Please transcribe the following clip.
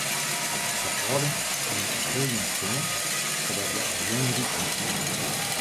Har âlden wiene al heel jong stoarn sadat hja al jong ryk wie.